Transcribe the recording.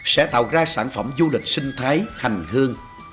sẽ tạo ra sản phẩm du lịch sinh thái hành hương